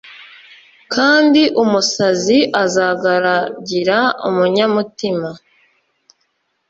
kandi umusazi azagaragira umunyamutima